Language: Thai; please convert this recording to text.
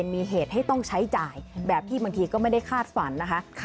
มีเหตุให้ต้องใช้จ่ายแบบที่บางทีก็ไม่ได้คาดฝันนะคะ